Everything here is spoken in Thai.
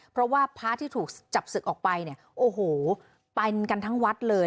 เพราะว่าพระที่ถูกจับศึกออกไปเนี่ยโอ้โหไปกันทั้งวัดเลย